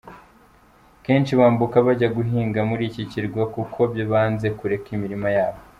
Kenshi bambuka bajya guhinga muri iki kirwa kuko banze kureka imirima yabo.